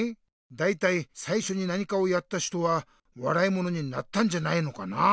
だいたいさいしょに何かをやった人はわらいものになったんじゃないのかな。